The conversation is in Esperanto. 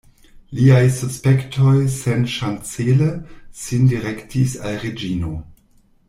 Liaj suspektoj senŝancele sin direktis al Reĝino.